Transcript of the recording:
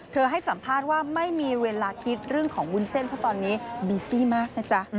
ให้สัมภาษณ์ว่าไม่มีเวลาคิดเรื่องของวุ้นเส้นเพราะตอนนี้บีซี่มากนะจ๊ะ